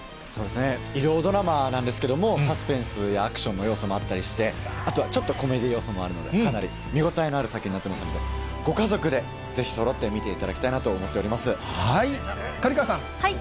医療ドラマなんですけども、サスペンスやアクションの要素もあったりして、あとはちょっとコメディー要素もあるので、かなり、見ごたえのある作品になってますので、ご家族でぜひそろって見ていただきたい刈川さん。